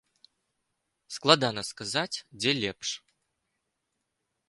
Складана сказаць, дзе лепш.